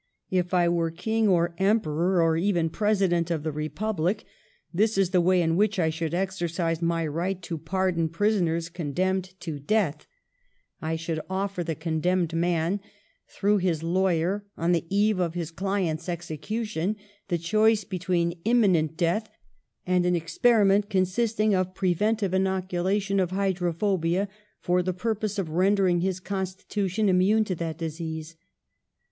If I were king or emperor, or even President of the Republic, this is the way in which I should exercise my right to pardon prisoners condemned to death. I should offer HYDROPHOBIA 169 the condemned man, through his lawyer, on the eve of his client's execution, the choice be tween imminent death and an experiment con sisting of preventive inoculation of hydro phobia for the purpose of rendering his consti tution immune to that disease.